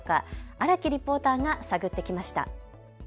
荒木リポーターが探ってきました。